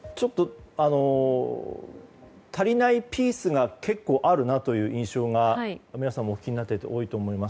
足りないピースが結構あるなという印象が皆さんも気になっている方多いと思います。